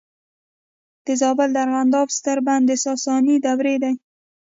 د زابل د ارغنداب ستر بند د ساساني دورې دی